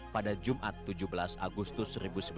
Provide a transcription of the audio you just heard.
pada jumat tujuh belas agustus seribu sembilan ratus empat puluh